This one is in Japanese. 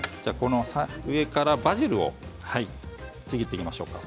上からバジルをちぎってみましょうか。